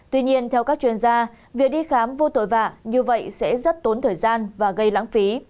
tuy nhiên theo các chuyên gia việc đi khám vô tội vạ như vậy sẽ rất tốn thời gian và gây lãng phí